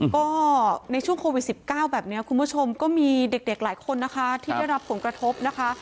ก็ในช่วงโควิด๑๙แบบนี้คุณผู้ชมก็มีเด็กหลายคนนะคะที่ได้รับผลกระทบนะคะ